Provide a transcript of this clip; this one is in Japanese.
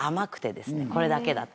これだけだと。